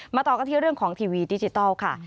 ต่อกันที่เรื่องของทีวีดิจิทัลค่ะ